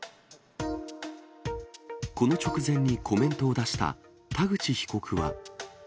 この直前にコメントを出した田口被告は。